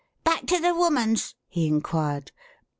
" Back to the woman's ?" he inquired.